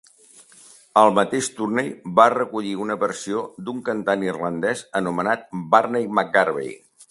El mateix Tunney va recollir una versió d'un cantant irlandès anomenat Barney McGarvey.